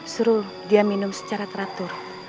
suruh dia minum secara teratur